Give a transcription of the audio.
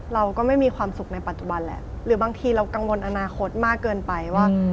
เราก็ไม่มีความสุขในปัจจุบันแหละหรือบางทีเรากังวลอนาคตมากเกินไปว่า